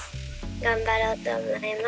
頑張ろうと思います。